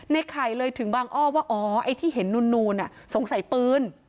ไข่เลยถึงบางอ้อว่าอ๋อไอ้ที่เห็นนูนสงสัยปืน